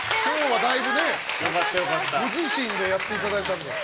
ご自身でやっていただいたんで。